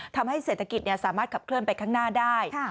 ทำให้เศรษฐกิจสามารถขับเคลื่อนไปข้างหน้าได้